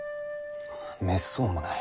めっそうもない。